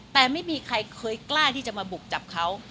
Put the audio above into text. แต่ไม่มีใครเคยกล้าที่จะมาบุกจับเขา